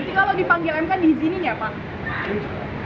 kalau dipanggil mk diizininya pak